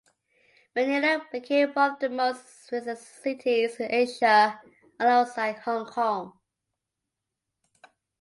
Manila became one of the most visited cities in Asia alongside Hong Kong.